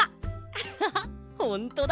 アハハッほんとだ。